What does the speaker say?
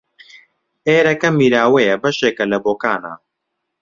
ئێرەکە میراوایە بەشێکە لە بۆکانە